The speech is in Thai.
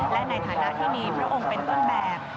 และในฐานะที่มีพระองค์เป็นต้นแบบ